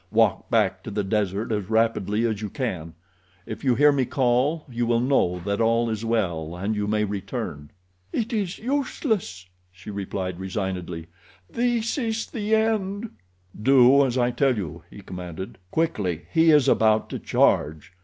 "Walk back to the desert as rapidly as you can. If you hear me call you will know that all is well, and you may return." "It is useless," she replied, resignedly. "This is the end." "Do as I tell you," he commanded. "Quickly! He is about to charge."